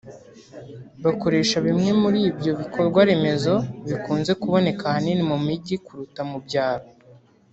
bakoresha bimwe muri ibyo bikorwa remezo bikunze kuboneka ahanini mu mijyi kuruta mu byaro